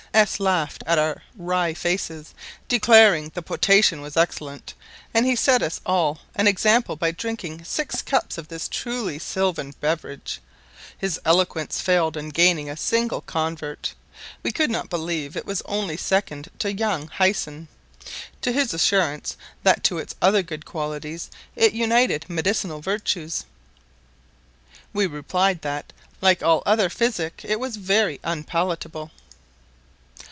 S laughed at our wry faces, declaring the potation was excellent; and he set us all an example by drinking six cups of this truly sylvan beverage. His eloquence failed in gaining a single convert; we could not believe it was only second to young hyson. To his assurance that to its other good qualities it united medicinal virtues, we replied that, like all other physic, it was very unpalatable.